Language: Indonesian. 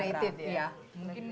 lebih integrated ya